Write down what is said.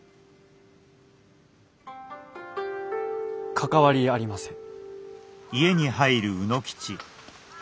関わりありません。